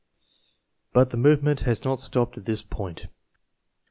But the movement has not stopped at this point.